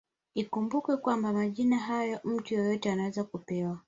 Ikumbukwe kwamba majina hayo mtu yeyote anaweza kupewa